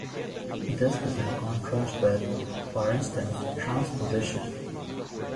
This is in contrast with, for instance, transposition.